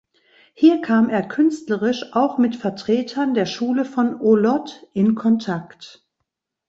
Hier kam er künstlerisch auch mit Vertretern der Schule von Olot in Kontakt.